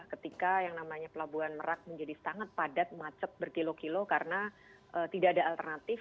ketika yang namanya pelabuhan merak menjadi sangat padat macet berkilo kilo karena tidak ada alternatif